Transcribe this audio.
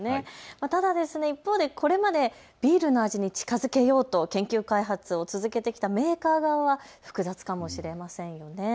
その一方でこれまでビールの味に近づけようと研究開発を続けてきたメーカー側は複雑かもしれませんよね。